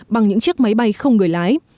bằng những chiếc máy bay không người lái